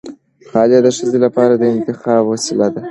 خلع د ښځې لپاره د انتخاب وسیله ده.